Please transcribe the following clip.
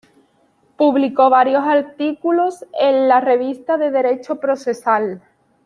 Publicó varios artículos en la Revista de Derecho Procesal.